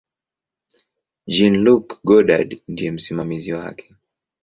Jean-Luc Godard ndiye msimamizi wake.